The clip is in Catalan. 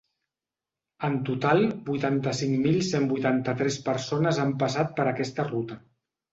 En total, vuitanta-cinc mil cent vuitanta-tres persones han passat per aquesta ruta.